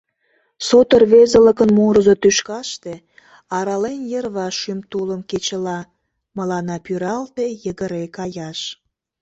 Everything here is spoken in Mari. Сото рвезылыкын мурызо тӱшкаште, Арален йырваш шӱм тулым кечыла, Мыланна пӱралте йыгыре каяш.